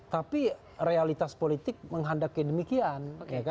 tapi realitas politik menghandaki demikian